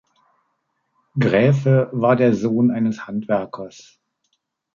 Graefe war der Sohn eines Handwerkers.